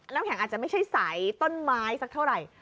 น้ำแข็งอาจจะไม่ใช่สายต้นไม้สักเท่าไหร่